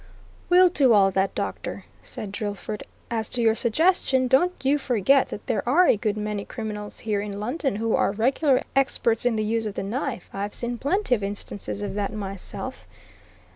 "We'll do all that, Doctor," said Drillford. "As to your suggestion don't you forget that there are a good many criminals here in London who are regular experts in the use of the knife I've seen plenty of instances of that myself.